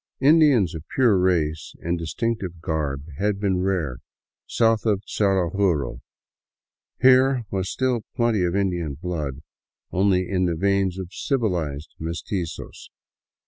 Indians of pure race and distinctive garb had been rare south of Zaraguro ; here was still plenty of Indian blood, but only in the veins of " civilized " mestizos.